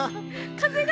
風が。